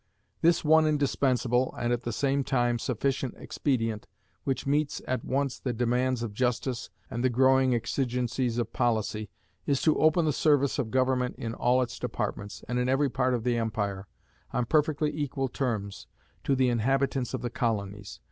This one indispensable, and, at the same time, sufficient expedient, which meets at once the demands of justice and the growing exigencies of policy, is to open the service of government in all its departments, and in every part of the empire, on perfectly equal terms, to the inhabitants of the colonies.